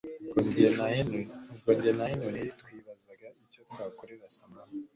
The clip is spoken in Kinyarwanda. Ubwo njye na Henry twibazaga icyo twakorera Samantha